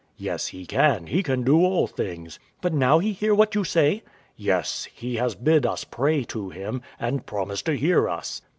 W.A. Yes, He can: He can do all things. Wife. But now He hear what you say? W.A. Yes, He has bid us pray to Him, and promised to hear us.